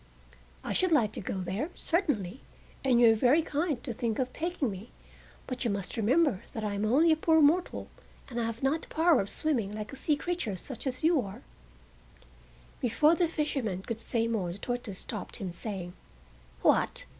"I should like to go there, certainly, and you are very kind to think of taking me, but you must remember that I am only a poor mortal and have not the power of swimming like a sea creature such as you are—" Before the fisherman could say more the tortoise stopped him, saying: "What?